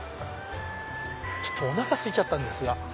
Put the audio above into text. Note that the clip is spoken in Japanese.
おなかすいちゃったんですが。